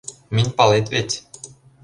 — Минь палет веть...